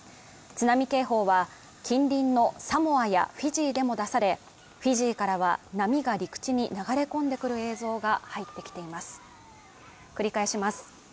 津波警報は、近隣のサモアやフィジーでも出され、フィジーからは波が陸地に流れ込んでくる映像が入ってきています繰り返します。